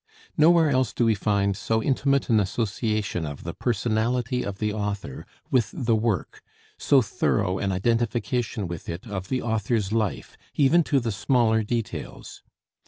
Nowhere else do we find so intimate an association of the personality of the author with the work, so thorough an identification with it of the author's life, even to the smaller details.